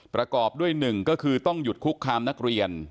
ประกอบด้วยหนึ่งก็คือต้องหยุดคุกคามนักเรียน